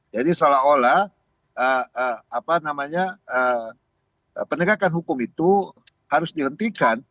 seolah olah penegakan hukum itu harus dihentikan